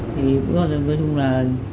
thì vô cùng là